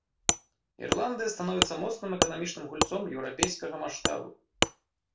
Ірландыя становіцца моцным эканамічным гульцом еўрапейскага маштабу.